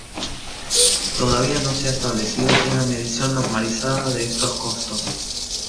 Todavía no se ha establecido una medición normalizada de estos costos.